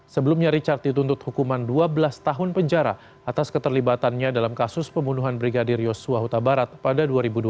sebelumnya richard dituntut hukuman dua belas tahun penjara atas keterlibatannya dalam kasus pembunuhan brigadir yosua huta barat pada dua ribu dua belas